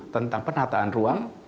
tentang penataan ruang